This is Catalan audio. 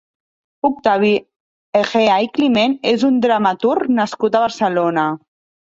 Octavi Egea i Climent és un dramaturg nascut a Barcelona.